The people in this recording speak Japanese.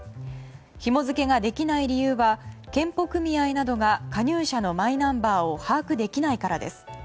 ひも付けができない理由は健保組合などが加入者のマイナンバーを把握できないからです。